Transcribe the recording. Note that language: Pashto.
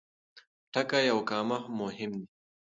ټکی او کامه مهم دي.